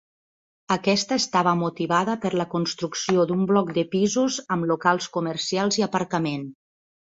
Aquesta estava motivada per la construcció d'un bloc de pisos amb locals comercials i aparcament.